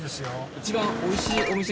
一番おいしいお店？